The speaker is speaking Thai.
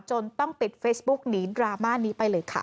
ต้องปิดเฟซบุ๊กหนีดราม่านี้ไปเลยค่ะ